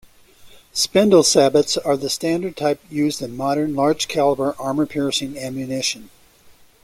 Spindle sabots are the standard type used in modern large caliber armor-piercing ammunition.